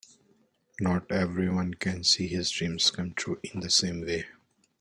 Not everyone can see his dreams come true in the same way.